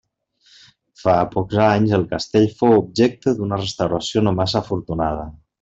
Fa pocs anys el castell fou objecte d'una restauració no massa afortunada.